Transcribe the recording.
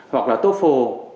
hoặc là toefl